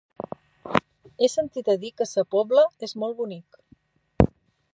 He sentit a dir que Sa Pobla és molt bonic.